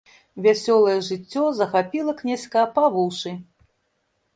Вясёлае жыццё захапіла князька па вушы.